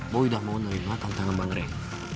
boy udah mau nerima tentang bang ray